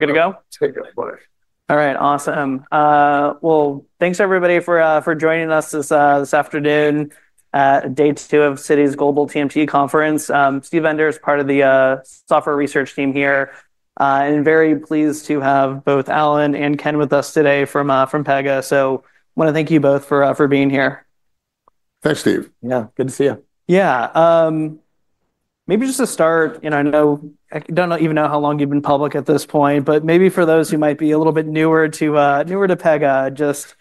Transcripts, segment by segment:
Can I go? Take it away. All right. Awesome. Thanks everybody for joining us this afternoon at Day Two of Citi's Global TMT Conference. Steve Enders is part of the software research team here, and I'm very pleased to have both Alan Trefler and Kenneth Stillwell with us today from Pega. I want to thank you both for being here. Thanks, Steve. Yeah, good to see you. Yeah, maybe just to start, I know I don't even know how long you've been public at this point, but maybe for those who might be a little bit newer to, newer to Pegasystems, just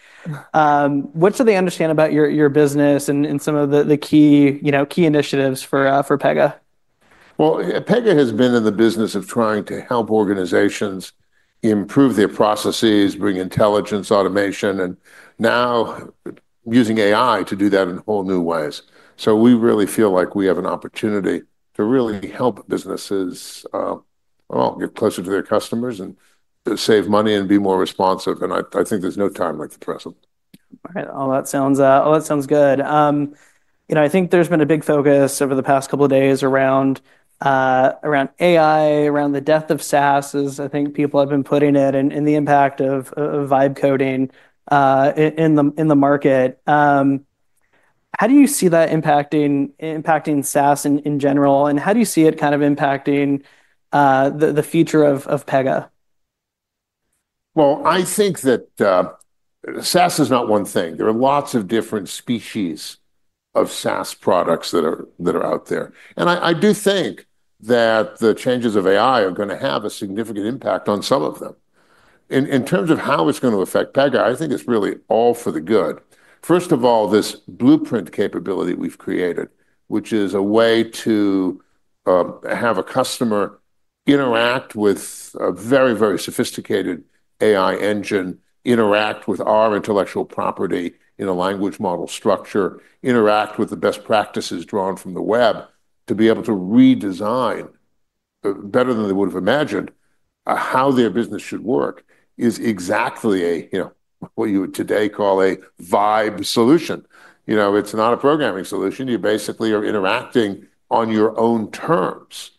what should they understand about your business and some of the key initiatives for Pegasystems? Pegasystems has been in the business of trying to help organizations improve their processes, bring intelligence, automation, and now using AI to do that in whole new ways. We really feel like we have an opportunity to really help businesses get closer to their customers and save money and be more responsive. I think there's no time like the present. All right. All that sounds good. I think there's been a big focus over the past couple of days around AI, around the death of SaaS, as I think people have been putting it, and the impact of low-code in the market. How do you see that impacting SaaS in general? How do you see it kind of impacting the future of Pega? I think that SaaS is not one thing. There are lots of different species of SaaS products that are out there. I do think that the changes of AI are going to have a significant impact on some of them. In terms of how it's going to affect Pegasystems, I think it's really all for the good. First of all, this blueprint capability we've created, which is a way to have a customer interact with a very, very sophisticated AI engine, interact with our intellectual property in a language model structure, interact with the best practices drawn from the web to be able to redesign better than they would have imagined how their business should work, is exactly what you would today call a vibe solution. It's not a programming solution. You basically are interacting on your own terms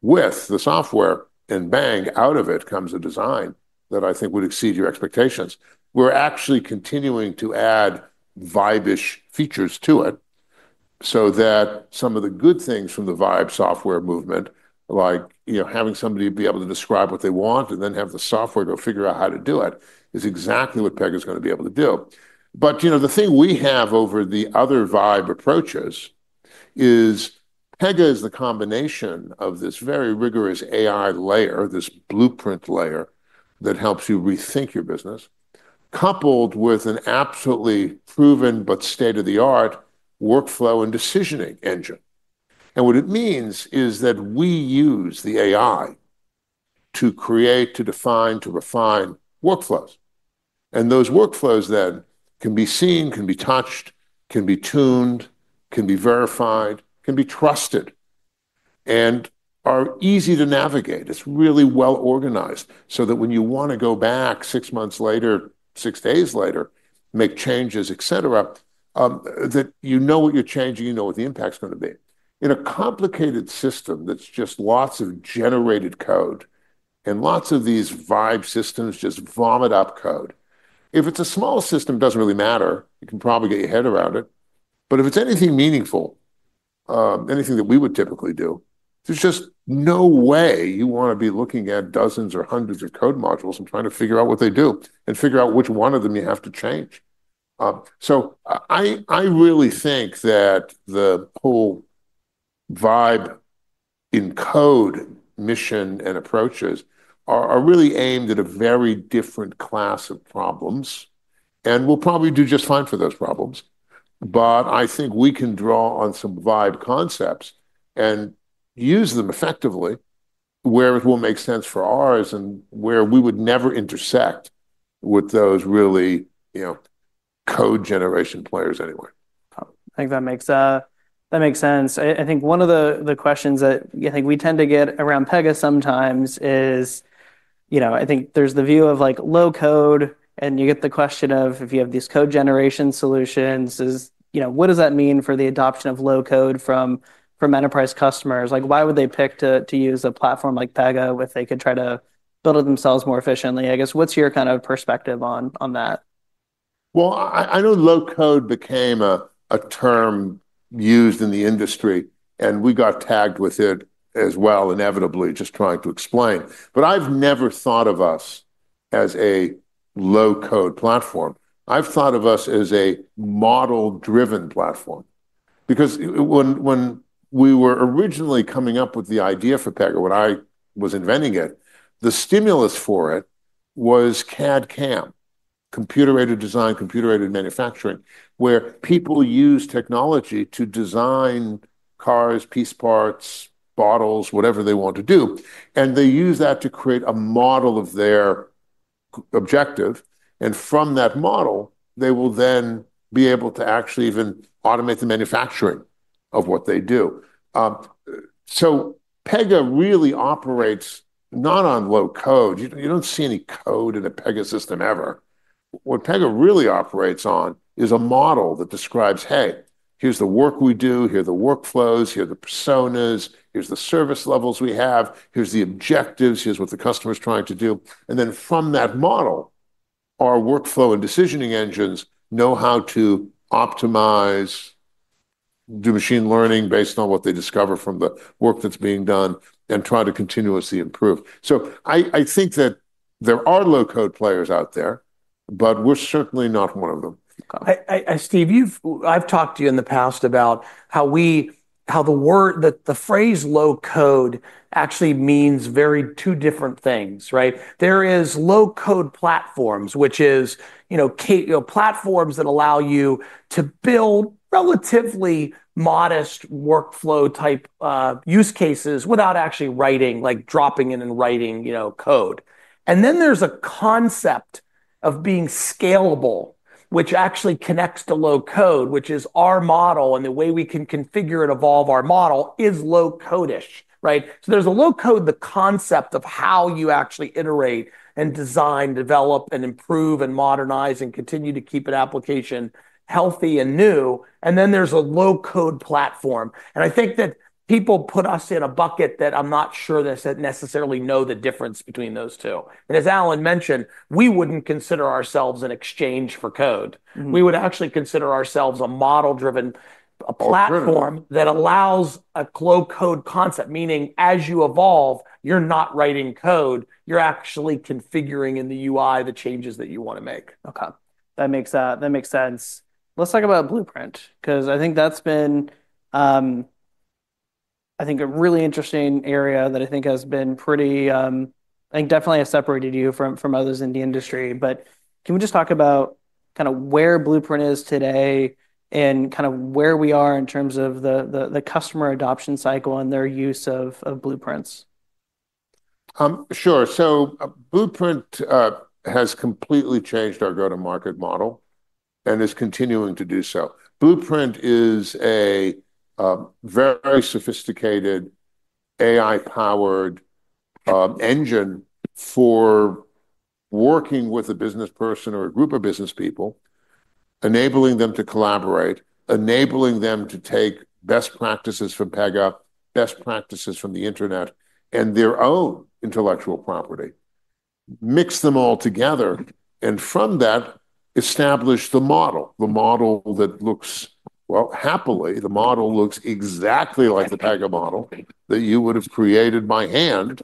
with the software, and bang, out of it comes a design that I think would exceed your expectations. We're actually continuing to add vibe-ish features to it so that some of the good things from the vibe software movement, like having somebody be able to describe what they want and then have the software go figure out how to do it, is exactly what Pegasystems is going to be able to do. The thing we have over the other vibe approaches is Pegasystems is the combination of this very rigorous AI layer, this blueprint layer that helps you rethink your business, coupled with an absolutely proven but state-of-the-art workflow and decisioning engine. What it means is that we use the AI to create, to define, to refine workflows. Those workflows then can be seen, can be touched, can be tuned, can be verified, can be trusted, and are easy to navigate. It's really well organized so that when you want to go back six months later, six days later, make changes, et cetera, you know what you're changing, you know what the impact's going to be. In a complicated system that's just lots of generated code and lots of these vibe systems just vomit up code, if it's a small system, it doesn't really matter. You can probably get your head around it. If it's anything meaningful, anything that we would typically do, there's just no way you want to be looking at dozens or hundreds of code modules and trying to figure out what they do and figure out which one of them you have to change. I really think that the whole vibe in code mission and approaches are really aimed at a very different class of problems and will probably do just fine for those problems. I think we can draw on some vibe concepts and use them effectively where it will make sense for ours and where we would never intersect with those really code generation players anyway. I think that makes sense. I think one of the questions that I think we tend to get around Pega sometimes is, you know, I think there's the view of like low code and you get the question of if you have these code generation solutions, is, you know, what does that mean for the adoption of low code from enterprise customers? Like, why would they pick to use a platform like Pega if they could try to build it themselves more efficiently? I guess, what's your kind of perspective on that? I know low code became a term used in the industry and we got tagged with it as well, inevitably just trying to explain. I've never thought of us as a low-code platform. I've thought of us as a model-driven platform because when we were originally coming up with the idea for Pega, when I was inventing it, the stimulus for it was CAD/CAM, computer-aided design, computer-aided manufacturing, where people use technology to design cars, piece parts, bottles, whatever they want to do. They use that to create a model of their objective, and from that model, they will then be able to actually even automate the manufacturing of what they do. Pega really operates not on low code. You don't see any code in a Pega system ever. What Pega really operates on is a model that describes, hey, here's the work we do, here are the workflows, here are the personas, here's the service levels we have, here's the objectives, here's what the customer's trying to do. From that model, our workflow and decisioning engines know how to optimize, do machine learning based on what they discover from the work that's being done, and try to continuously improve. I think that there are low-code players out there, but we're certainly not one of them. Steve, I've talked to you in the past about how the phrase low code actually means two very different things, right? There is low code platforms, which is platforms that allow you to build relatively modest workflow type use cases without actually writing, like dropping in and writing code. Then there's a concept of being scalable, which actually connects to low code, which is our model and the way we can configure and evolve our model is low code-ish, right? There's a low code concept of how you actually iterate and design, develop, and improve and modernize and continue to keep an application healthy and new. Then there's a low code platform. I think that people put us in a bucket that I'm not sure they necessarily know the difference between those two. As Alan mentioned, we wouldn't consider ourselves an exchange for code. We would actually consider ourselves a model-driven platform that allows a low code concept, meaning as you evolve, you're not writing code, you're actually configuring in the UI the changes that you want to make. Okay, that makes sense. Let's talk about Blueprint because I think that's been a really interesting area that I think definitely has separated you from others in the industry. Can we just talk about where blueprint is today and where we are in terms of the customer adoption cycle and their use of blueprints? Sure. So Blueprint has completely changed our go-to-market model and is continuing to do so. Blueprint is a very sophisticated AI-powered engine for working with a business person or a group of business people, enabling them to collaborate, enabling them to take best practices from Pega, best practices from the internet, and their own intellectual property, mix them all together, and from that establish the model. The model looks, happily, the model looks exactly like the Pega model that you would have created by hand,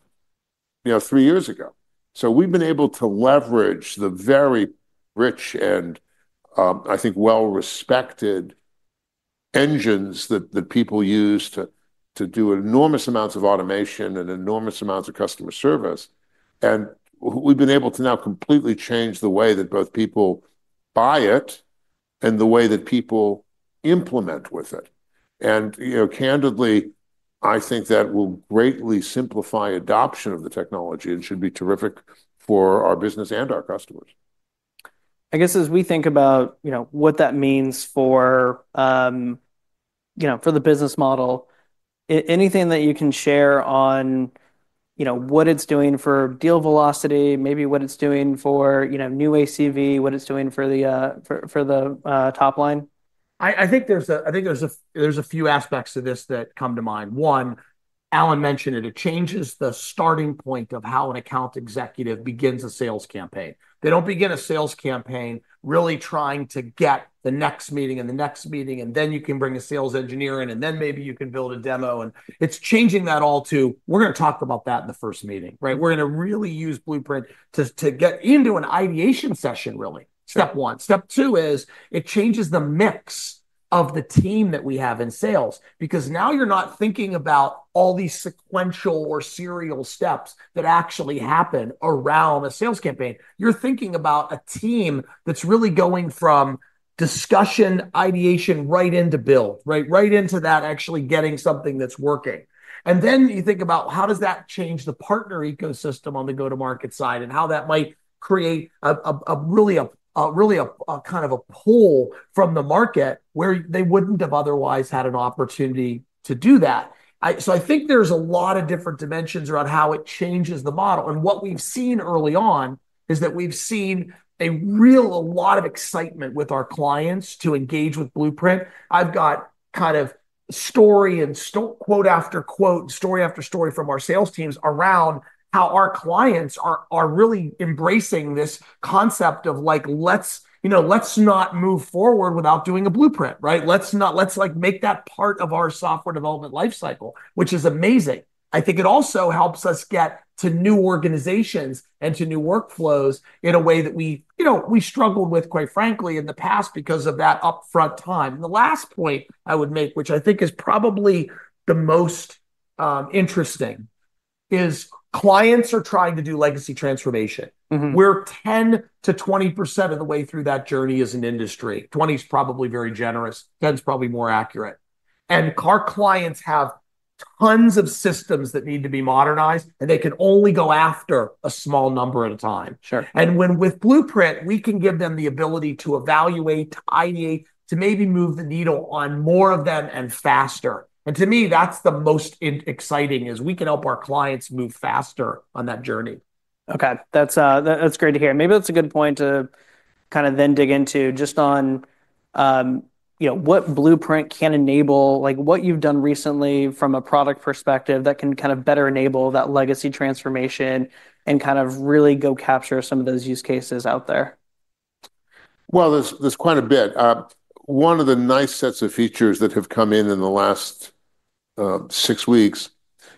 you know, three years ago. We have been able to leverage the very rich and, I think, well-respected engines that people use to do enormous amounts of automation and enormous amounts of customer service. We have been able to now completely change the way that both people buy it and the way that people implement with it. Candidly, I think that will greatly simplify adoption of the technology and should be terrific for our business and our customers. As we think about what that means for the business model, is there anything that you can share on what it's doing for deal velocity, maybe what it's doing for new ACV, what it's doing for the top line? I think there's a few aspects to this that come to mind. One, Alan mentioned it changes the starting point of how an account executive begins a sales campaign. They don't begin a sales campaign really trying to get the next meeting and the next meeting, and then you can bring a sales engineer in and then maybe you can build a demo. It's changing that all to, we're going to talk about that in the first meeting, right? We're going to really use blueprint to get into an ideation session, really. Step one. Step two is it changes the mix of the team that we have in sales because now you're not thinking about all these sequential or serial steps that actually happen around a sales campaign. You're thinking about a team that's really going from discussion, ideation, right into build, right into that actually getting something that's working. You think about how does that change the partner ecosystem on the go-to-market side and how that might create a really, a kind of a pull from the market where they wouldn't have otherwise had an opportunity to do that. I think there's a lot of different dimensions around how it changes the model. What we've seen early on is that we've seen a lot of excitement with our clients to engage with blueprint. I've got kind of story and quote after quote and story after story from our sales teams around how our clients are really embracing this concept of like, let's not move forward without doing a blueprint, right? Let's not, let's make that part of our software development lifecycle, which is amazing. I think it also helps us get to new organizations and to new workflows in a way that we struggled with quite frankly in the past because of that upfront time. The last point I would make, which I think is probably the most interesting, is clients are trying to do legacy transformation. We're 10% to 20% of the way through that journey as an industry. 20% is probably very generous. 10% is probably more accurate. Our clients have tons of systems that need to be modernized and they can only go after a small number at a time. With blueprint, we can give them the ability to evaluate, to ideate, to maybe move the needle on more of them and faster. To me, that's the most exciting, we can help our clients move faster on that journey. Okay, that's great to hear. Maybe that's a good point to kind of then dig into just on, you know, what Pega GenAI Blueprint can enable, like what you've done recently from a product perspective that can kind of better enable that legacy modernization and kind of really go capture some of those use cases out there. There's quite a bit. One of the nice sets of features that have come in in the last six weeks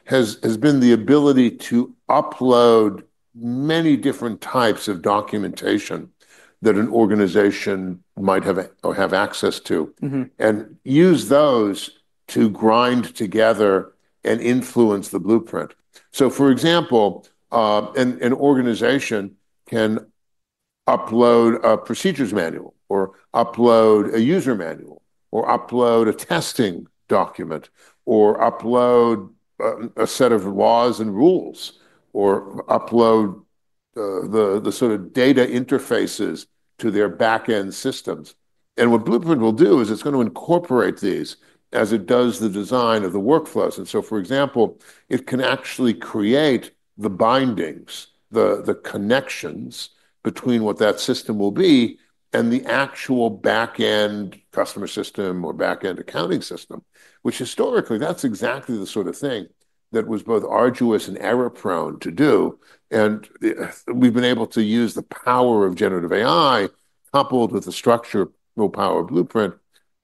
has been the ability to upload many different types of documentation that an organization might have access to and use those to grind together and influence the blueprint. For example, an organization can upload a procedures manual or upload a user manual or upload a testing document or upload a set of laws and rules or upload the sort of data interfaces to their backend systems. What blueprint will do is it's going to incorporate these as it does the design of the workflows. For example, it can actually create the bindings, the connections between what that system will be and the actual backend customer system or backend accounting system, which historically, that's exactly the sort of thing that was both arduous and error-prone to do. We've been able to use the power of generative AI coupled with the structure, more power of blueprint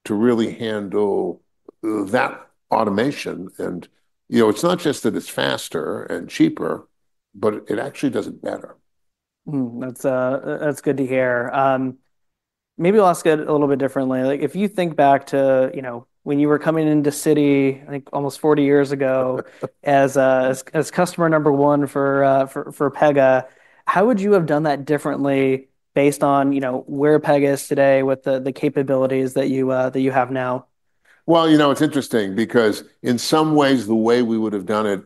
to really handle that automation. You know, it's not just that it's faster and cheaper, but it actually does it better. That's good to hear. Maybe I'll ask it a little bit differently. If you think back to when you were coming into Citi, I think almost 40 years ago as customer number one for Pega, how would you have done that differently based on where Pega is today with the capabilities that you have now? It's interesting because in some ways, the way we would have done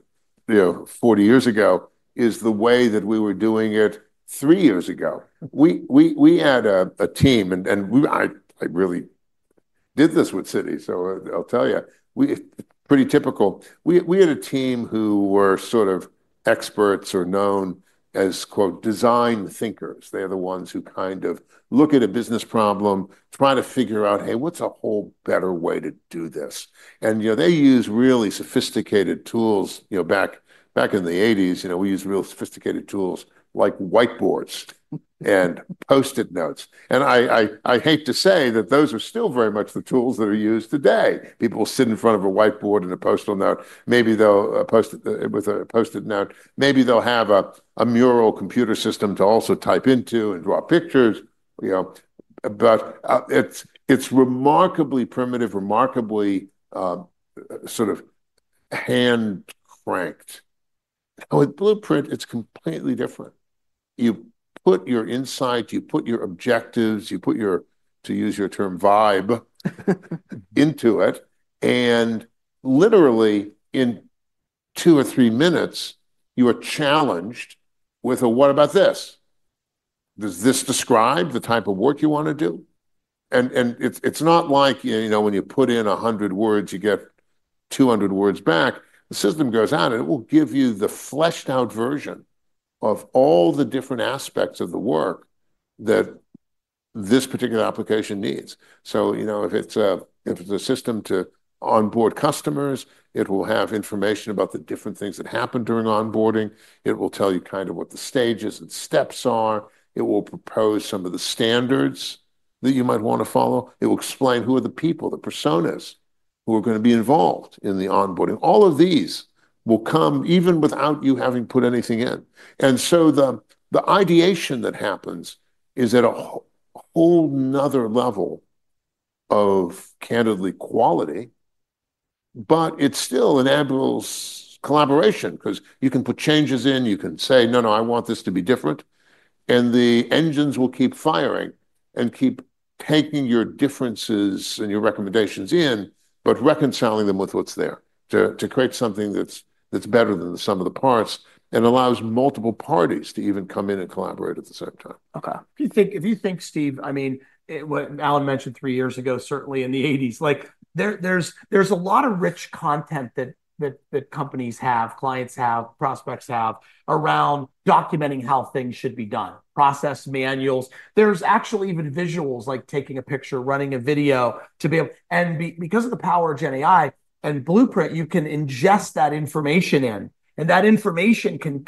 it 40 years ago is the way that we were doing it three years ago. We had a team, and I really did this with Citi, so I'll tell you, it's pretty typical. We had a team who were sort of experts or known as quote design thinkers. They're the ones who kind of look at a business problem, try to figure out, hey, what's a whole better way to do this? They use really sophisticated tools. Back in the eighties, we used real sophisticated tools like whiteboards and Post-it notes. I hate to say that those are still very much the tools that are used today. People will sit in front of a whiteboard and a Post-it note, maybe they'll post it with a Post-it note, maybe they'll have a mural computer system to also type into and draw pictures, but it's remarkably primitive, remarkably sort of hand-cranked. With Pega GenAI Blueprint, it's completely different. You put your insights, you put your objectives, you put your, to use your term, vibe into it. Literally in two or three minutes, you are challenged with a, what about this? Does this describe the type of work you want to do? It's not like when you put in 100 words, you get 200 words back. The system goes out and it will give you the fleshed out version of all the different aspects of the work that this particular application needs. If it's a system to onboard customers, it will have information about the different things that happen during onboarding. It will tell you kind of what the stages and steps are. It will propose some of the standards that you might want to follow. It will explain who are the people, the personas who are going to be involved in the onboarding. All of these will come even without you having put anything in. The ideation that happens is at a whole 'nother level of candidly quality, but it still enables collaboration because you can put changes in, you can say, no, no, I want this to be different. The engines will keep firing and keep taking your differences and your recommendations in, but reconciling them with what's there to create something that's better than some of the parts and allows multiple parties to even come in and collaborate at the same time. Okay. If you think, Steve, I mean, what Alan mentioned three years ago, certainly in the eighties, there's a lot of rich content that companies have, clients have, prospects have around documenting how things should be done, process manuals. There's actually even visuals like taking a picture, running a video to be able to, and because of the power of Gen AI and Pega GenAI Blueprint, you can ingest that information in. That information can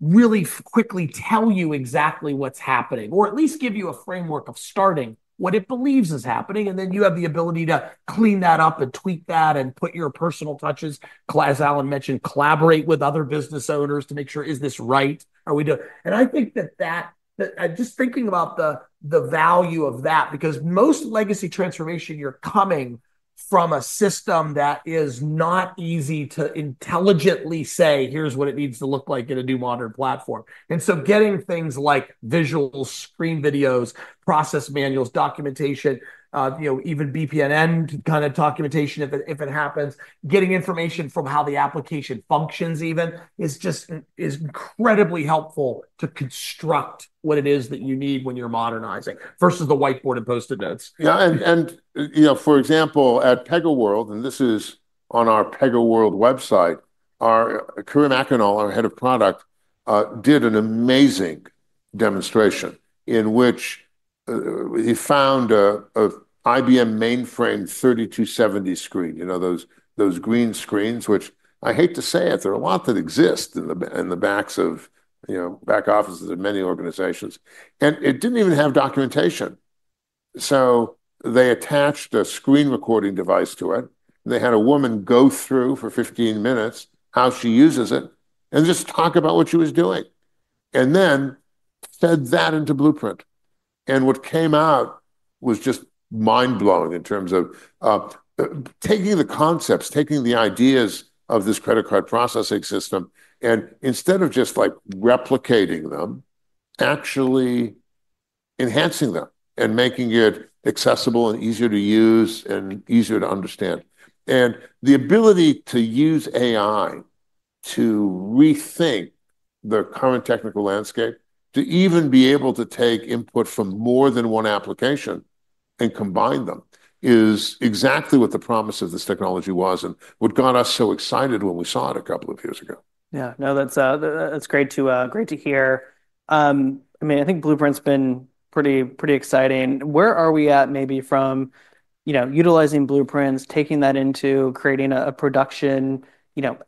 really quickly tell you exactly what's happening, or at least give you a framework of starting what it believes is happening. You have the ability to clean that up and tweak that and put your personal touches, as Alan mentioned, collaborate with other business owners to make sure, is this right? Are we doing? I'm just thinking about the value of that because most legacy modernization, you're coming from a system that is not easy to intelligently say, here's what it needs to look like in a new modern platform. Getting things like visuals, screen videos, process manuals, documentation, even BPMN kind of documentation, if it happens, getting information from how the application functions even is just, is incredibly helpful to construct what it is that you need when you're modernizing versus the whiteboard and Post-it notes. For example, at Pega World, and this is on our Pega World website, our Kerim Akgonul, our Head of Product, did an amazing demonstration in which he found an IBM mainframe 3270 screen, you know, those green screens, which I hate to say it, there are a lot that exist in the backs of back offices at many organizations. It didn't even have documentation. They attached a screen recording device to it. They had a woman go through for 15 minutes how she uses it and just talk about what she was doing. They then fed that into Blueprint. What came out was just mind-blowing in terms of taking the concepts, taking the ideas of this credit card processing system, and instead of just replicating them, actually enhancing them and making it accessible and easier to use and easier to understand. The ability to use AI to rethink the current technical landscape, to even be able to take input from more than one application and combine them, is exactly what the promise of this technology was and what got us so excited when we saw it a couple of years ago. Yeah, no, that's great to hear. I mean, I think Blueprint's been pretty exciting. Where are we at maybe from, you know, utilizing blueprints, taking that into creating a production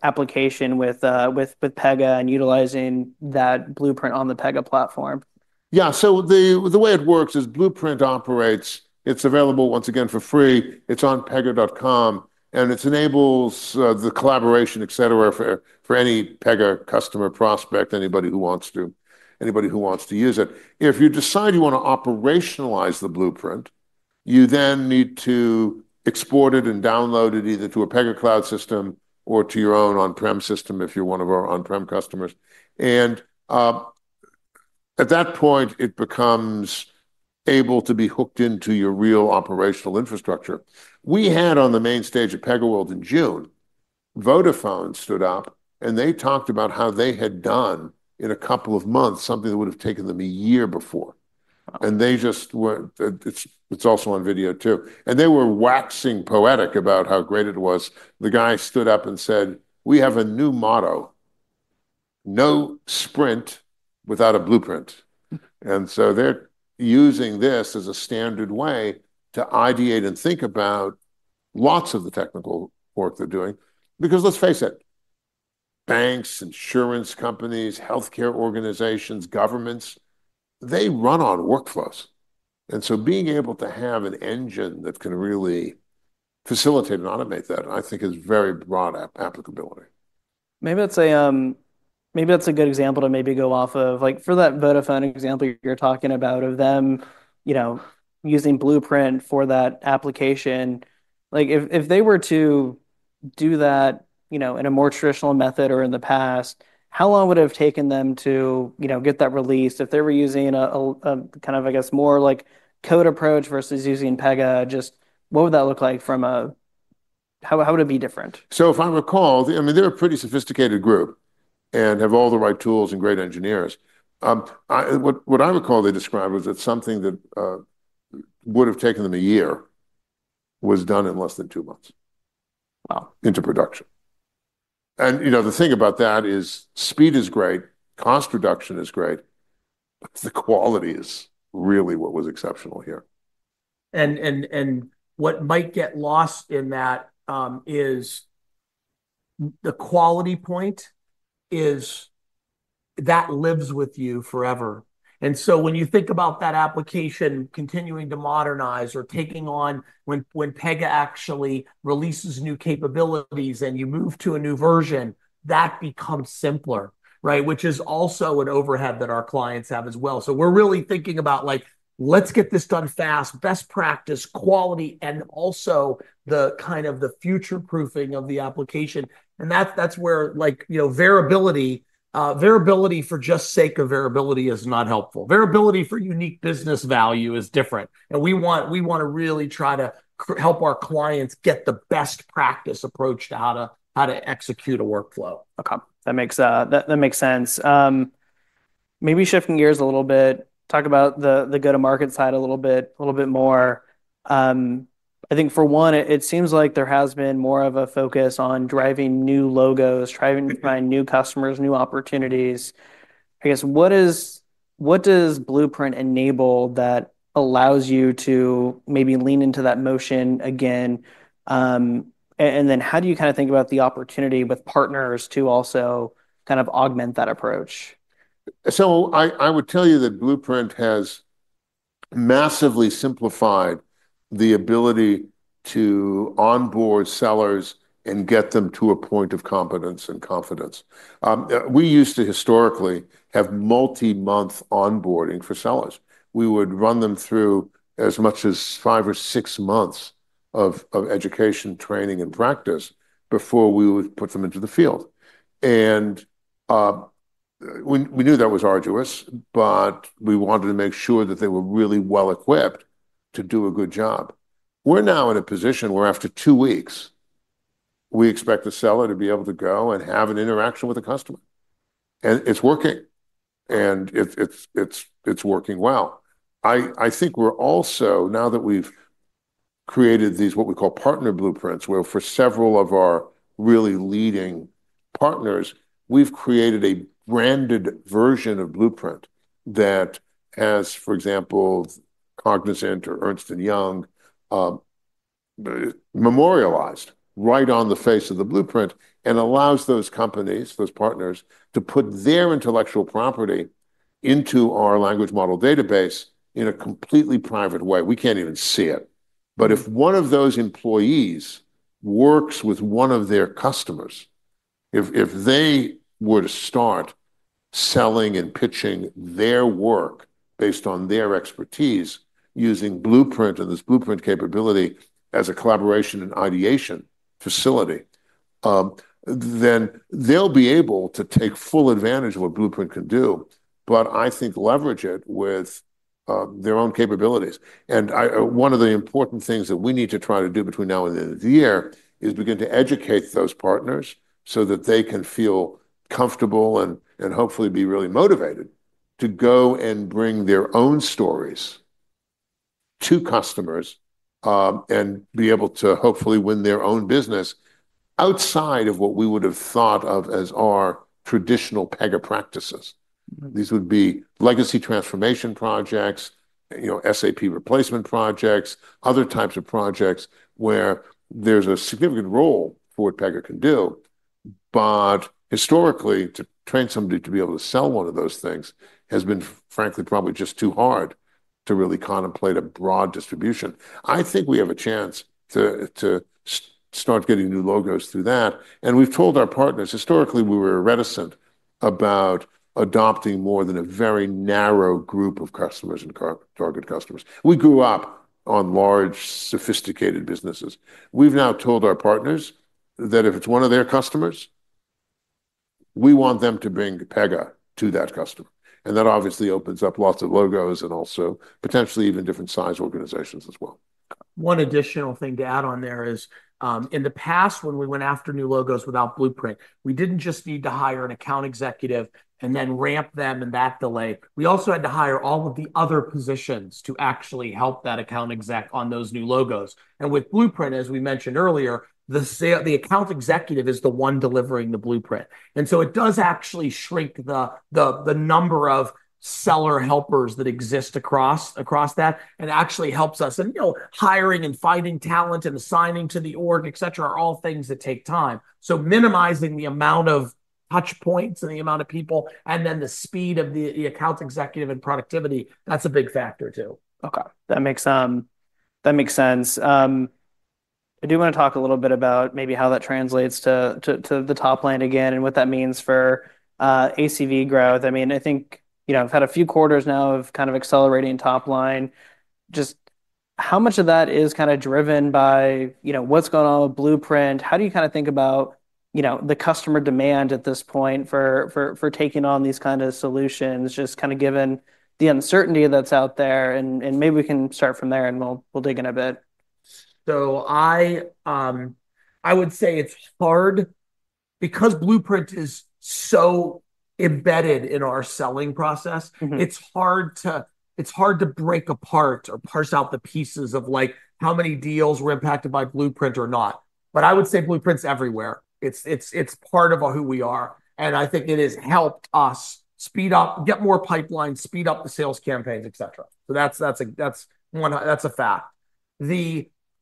application with Pega and utilizing that blueprint on the Pega platform? Yeah. The way it works is Pega GenAI Blueprint operates, it's available once again for free. It's on pega.com and it enables the collaboration, et cetera, for any Pegasystems customer, prospect, anybody who wants to, anybody who wants to use it. If you decide you want to operationalize the blueprint, you then need to export it and download it either to a Pega cloud system or to your own on-prem system if you're one of our on-prem customers. At that point, it becomes able to be hooked into your real operational infrastructure. We had on the main stage of PegaWorld in June, Vodafone stood up and they talked about how they had done in a couple of months something that would have taken them a year before. It's also on video too. They were waxing poetic about how great it was. The guy stood up and said, we have a new motto, no sprint without a Blueprint. They're using this as a standard way to ideate and think about lots of the technical work they're doing because let's face it, banks, insurance companies, healthcare organizations, governments, they run on workflows. Being able to have an engine that can really facilitate and automate that, I think is very broad applicability. Maybe that's a good example to go off of, like for that Vodafone example you're talking about of them, you know, using Blueprint for that application. If they were to do that in a more traditional method or in the past, how long would it have taken them to get that released if they were using a, I guess, more like code approach versus using Pega? Just what would that look like from a, how would it be different? They're a pretty sophisticated group and have all the right tools and great engineers. What I recall they described was that something that would have taken them a year was done in less than two months... Wow. ...into production. The thing about that is speed is great, cost reduction is great, but the quality is really what was exceptional here. What might get lost in that is the quality point is that lives with you forever. When you think about that application continuing to modernize or taking on when Pega actually releases new capabilities and you move to a new version, that becomes simpler, right? This is also an overhead that our clients have as well. We are really thinking about like, let's get this done fast, best practice, quality, and also the kind of the future proofing of the application. That's where, you know, variability for just sake of variability is not helpful. Variability for unique business value is different. We want to really try to help our clients get the best practice approach to how to execute a workflow. Okay, that makes sense. Maybe shifting gears a little bit, talk about the go-to-market side a little bit more. I think for one, it seems like there has been more of a focus on driving new logos, driving by new customers, new opportunities. I guess what does Blueprint enable that allows you to maybe lean into that motion again? How do you kind of think about the opportunity with partners to also kind of augment that approach? I would tell you that Blueprint has massively simplified the ability to onboard sellers and get them to a point of competence and confidence. We used to historically have multi-month onboarding for sellers. We would run them through as much as five or six months of education, training, and practice before we would put them into the field. We knew that was arduous, but we wanted to make sure that they were really well equipped to do a good job. We're now in a position where after two weeks, we expect the seller to be able to go and have an interaction with a customer. It's working, and it's working well. I think we're also, now that we've created these, what we call Partner Blueprints, where for several of our really leading partners, we've created a branded version of Blueprint that has, for example, Cognizant or EY, memorialized right on the face of the Blueprint and allows those companies, those partners, to put their intellectual property into our language model database in a completely private way. We can't even see it. If one of those employees works with one of their customers, if they were to start selling and pitching their work based on their expertise using Blueprint and this Blueprint capability as a collaboration and ideation facility, then they'll be able to take full advantage of what Blueprint can do, but I think leverage it with their own capabilities. One of the important things that we need to try to do between now and the end of the year is begin to educate those partners so that they can feel comfortable and hopefully be really motivated to go and bring their own stories to customers, and be able to hopefully win their own business outside of what we would have thought of as our traditional Pega practices. These would be legacy transformation projects, SAP replacement projects, other types of projects where there's a significant role for what Pega can do. Historically, to train somebody to be able to sell one of those things has been frankly probably just too hard to really contemplate a broad distribution. I think we have a chance to start getting new logos through that. We've told our partners, historically, we were reticent about adopting more than a very narrow group of customers and target customers. We grew up on large, sophisticated businesses. We've now told our partners that if it's one of their customers, we want them to bring Pega to that customer. That obviously opens up lots of logos and also potentially even different size organizations as well. One additional thing to add on there is, in the past, when we went after new logos without Pega GenAI Blueprint, we didn't just need to hire an account executive and then ramp them and that delay. We also had to hire all of the other positions to actually help that account executive on those new logos. With Pega GenAI Blueprint, as we mentioned earlier, the account executive is the one delivering the blueprint. It does actually shrink the number of seller helpers that exist across that and actually helps us. Hiring and finding talent and assigning to the organization, et cetera, are all things that take time. Minimizing the amount of touch points and the amount of people and then the speed of the account executive and productivity, that's a big factor too. Okay, that makes sense. I do want to talk a little bit about maybe how that translates to the top line again and what that means for ACV growth. I mean, I think I've had a few quarters now of kind of accelerating top line. Just how much of that is kind of driven by what's going on with Pega GenAI Blueprint? How do you kind of think about the customer demand at this point for taking on these kinds of solutions, just given the uncertainty that's out there? Maybe we can start from there and we'll dig in a bit. I would say it's hard because Pega GenAI Blueprint is so embedded in our selling process. It's hard to break apart or parse out the pieces of how many deals were impacted by Blueprint or not. I would say Blueprint's everywhere. It's part of who we are, and I think it has helped us speed up, get more pipeline, speed up the sales campaigns, et cetera. That's a fact.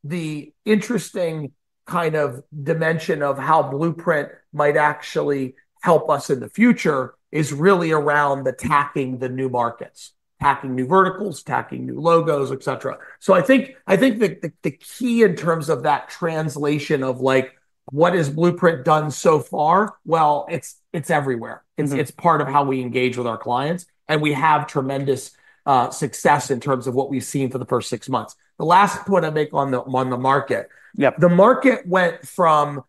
The interesting kind of dimension of how Blueprint might actually help us in the future is really around attacking the new markets, attacking new verticals, attacking new logos, et cetera. I think the key in terms of that translation of what has Blueprint done so far is it's everywhere. It's part of how we engage with our clients, and we have tremendous success in terms of what we've seen for the first six months. The last point I make on the market, the market went from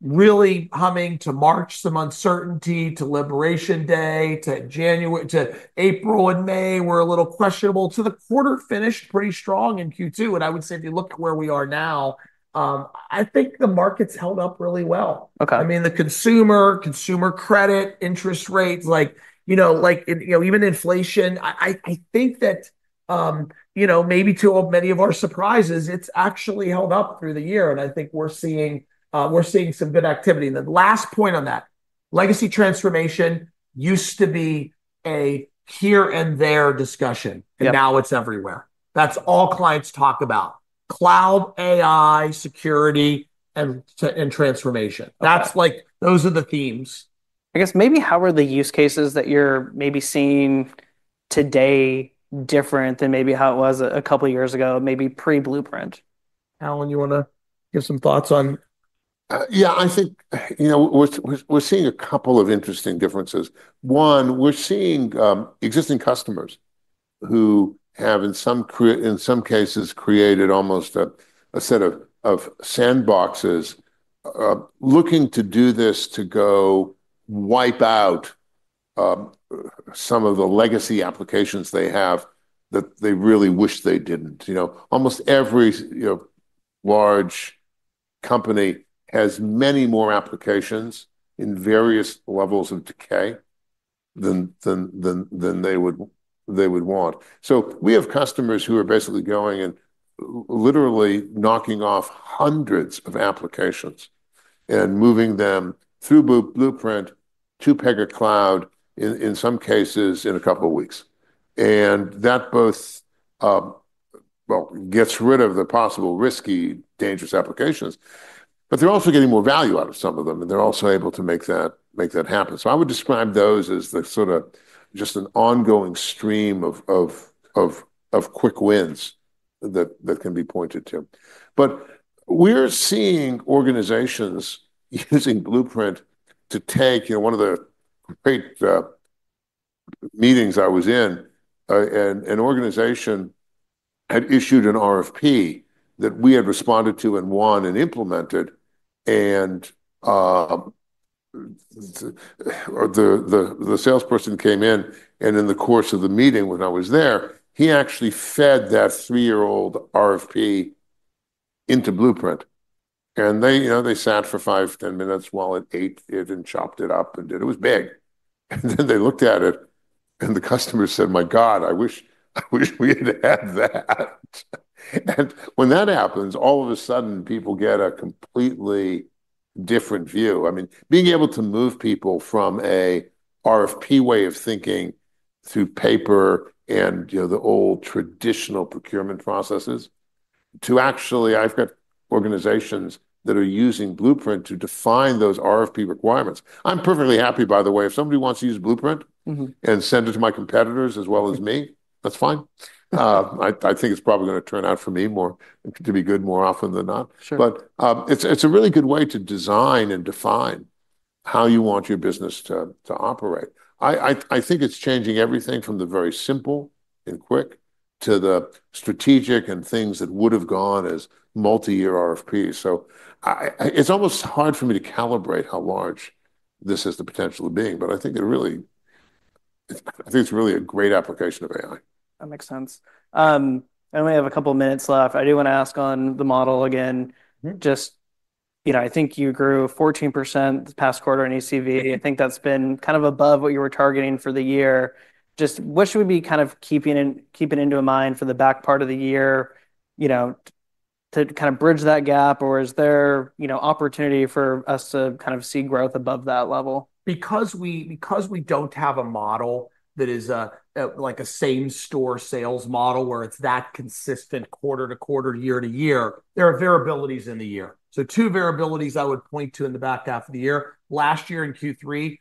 really humming to March, some uncertainty to Liberation Day to January, to April and May were a little questionable. The quarter finished pretty strong in Q2, and I would say if you look at where we are now, I think the market's held up really well. Okay. I mean, the consumer, consumer credit, interest rates, like, you know, even inflation, I think that, you know, maybe to many of our surprises, it's actually held up through the year. I think we're seeing, we're seeing some good activity. The last point on that, legacy transformation used to be a here and there discussion. Now it's everywhere. That's all clients talk about, cloud, AI, security, and transformation. That's like, those are the themes. I guess maybe how are the use cases that you're maybe seeing today different than maybe how it was a couple of years ago, maybe pre-Pega GenAI Blueprint? Alan, you want to give some thoughts on? Yeah, I think we're seeing a couple of interesting differences. One, we're seeing existing customers who have, in some cases, created almost a set of sandboxes, looking to do this to go wipe out some of the legacy applications they have that they really wish they didn't. Almost every large company has many more applications in various levels of decay than they would want. We have customers who are basically going and literally knocking off hundreds of applications and moving them through Blueprint to Pega Cloud in some cases in a couple of weeks. That both gets rid of the possible risky, dangerous applications, but they're also getting more value out of some of them. They're also able to make that happen. I would describe those as just an ongoing stream of quick wins that can be pointed to. We're seeing organizations using blueprint to take, you know, one of the great meetings I was in, and an organization had issued an RFP that we had responded to and won and implemented. The salesperson came in and in the course of the meeting, when I was there, he actually fed that three-year-old RFP into blueprint. They sat for five, ten minutes while it ate it and chopped it up and did it. It was big. Then they looked at it and the customer said, "My God, I wish, I wish we had had that." When that happens, all of a sudden people get a completely different view. I mean, being able to move people from an RFP way of thinking through paper and the old traditional procurement processes to actually, I've got organizations that are using blueprint to define those RFP requirements. I'm perfectly happy, by the way, if somebody wants to use blueprint and send it to my competitors as well as me, that's fine. I think it's probably going to turn out for me more to be good more often than not. Sure. It's a really good way to design and define how you want your business to operate. I think it's changing everything from the very simple and quick to the strategic and things that would have gone as multi-year RFPs. It's almost hard for me to calibrate how large this has the potential of being, but I think it's really a great application of AI. That makes sense. I only have a couple of minutes left. I do want to ask on the model again. I think you grew 14% the past quarter in ACV. I think that's been kind of above what you were targeting for the year. Just what should we be kind of keeping in, keeping into mind for the back part of the year to kind of bridge that gap? Or is there opportunity for us to kind of see growth above that level? Because we don't have a model that is like a same-store sales model where it's that consistent quarter to quarter, year to year, there are variabilities in the year. Two variabilities I would point to in the back half of the year: last year in Q3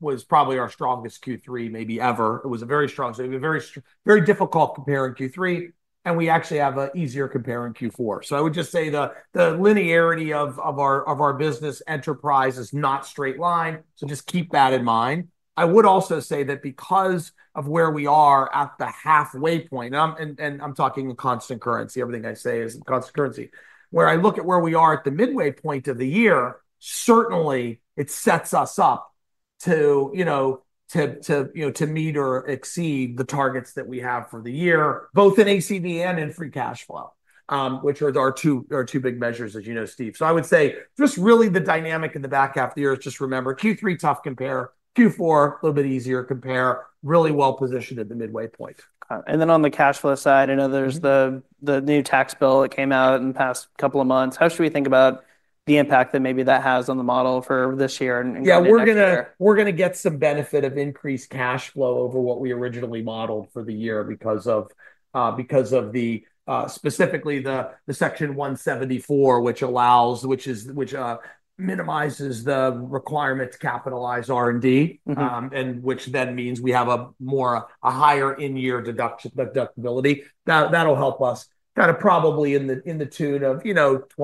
was probably our strongest Q3 maybe ever. It was a very strong, very difficult compare in Q3, and we actually have an easier compare in Q4. I would just say the linearity of our business enterprise is not straight line, so just keep that in mind. I would also say that because of where we are at the halfway point, and I'm talking in constant currency, everything I say is in constant currency, where I look at where we are at the midway point of the year, certainly it sets us up to meet or exceed the targets that we have for the year, both in ACV and in free cash flow, which are our two big measures, as you know, Steve. I would say just really the dynamic in the back half of the year is just remember Q3 tough compare, Q4 a little bit easier to compare, really well positioned at the midway point. On the cash flow side, I know there's the new tax bill that came out in the past couple of months. How should we think about the impact that maybe that has on the model for this year? Yeah, we're going to get some benefit of increased cash flow over what we originally modeled for the year because of, specifically, the Section 174, which minimizes the requirement to capitalize R&D, and which then means we have a higher in-year deductibility. That'll help us probably in the tune of, you know, $20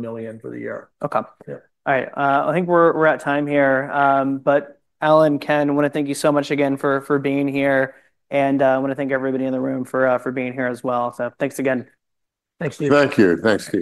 million or so for the year. Okay. All right. I think we're at time here. Alan, Ken, I want to thank you so much again for being here. I want to thank everybody in the room for being here as well. Thanks again. Thanks, Steve. Thank you. Thanks, Steve.